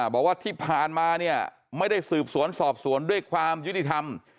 บอกว่าที่ผ่านมาเนี่ยไม่ได้สืบสวนสอบสวนด้วยความยุติธรรม